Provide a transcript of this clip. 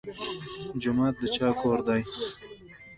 جومات د چا کور دی؟